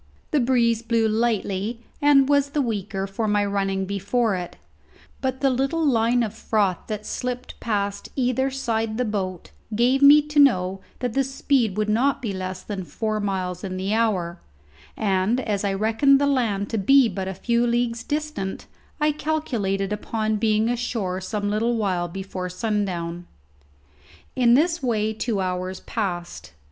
The breeze blew lightly and was the weaker for my running before it; but the little line of froth that slipped past either side the boat gave me to know that the speed would not be less than four miles in the hour; and as I reckoned the land to be but a few leagues distant, I calculated upon being ashore some little while before sundown. In this way two hours passed.